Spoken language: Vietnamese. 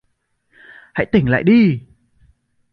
Hãy tỉnh lại đi